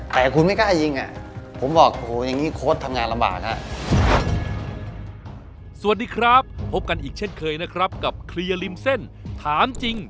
แต่คุณไม่กล้ายยิง